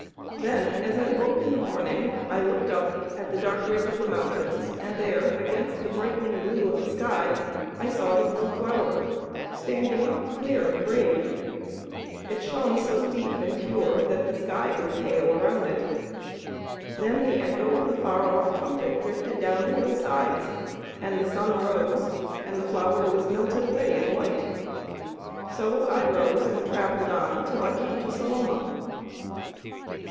Then as I woke in the morning I looked up at the dark ridge of the mountains, and there against the brightening blue of the sky I saw the Blue Flower standing up clear and brave. It shone so deep and pure that the sky grew pale around it. Then the echo of the far off trumpet drifted down the hillsides, and the sun rose, and the flower was melted away in light. So I rose and travelled on till I came to Saloma."